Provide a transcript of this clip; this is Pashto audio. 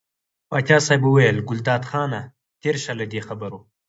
پاچا صاحب وویل ګلداد خانه تېر شه له دې خبرو.